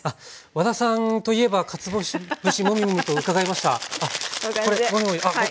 和田さんといえばかつお節モミモミと伺いました。